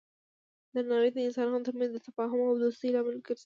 درناوی د انسانانو ترمنځ د تفاهم او دوستی لامل ګرځي.